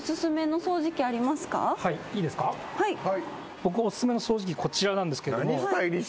僕お薦めの掃除機こちらなんですけれども。